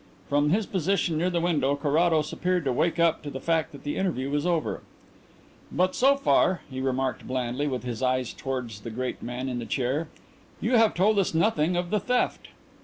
From his position near the window, Carrados appeared to wake up to the fact that the interview was over. "But so far," he remarked blandly, with his eyes towards the great man in the chair, "you have told us nothing of the theft."